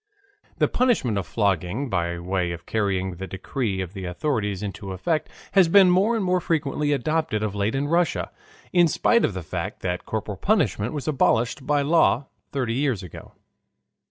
The punishment of flogging by way of carrying the decrees of the authorities into effect has been more and more frequently adopted of late in Russia, in spite of the fact that corporal punishment was abolished by law thirty years ago.